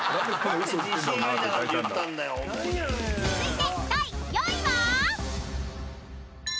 ［続いて第４位は？］